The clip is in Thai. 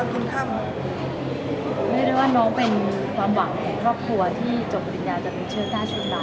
คุณทำเรียกได้ว่าน้องเป็นความหวังของครอบครัวที่จบปริญญาจะเป็นเชิดหน้าชุดเรา